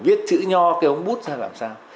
viết chữ nho cái ống bút ra làm sao